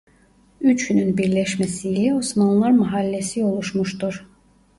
Üçünün birleşmesiyle Osmanlar Mahallesi oluşmuştur.